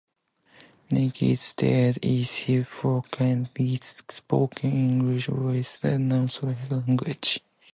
Nickeas started his pro career with the Spokane Indians of the Northwest League.